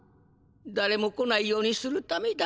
だれも来ないようにするためダッピ。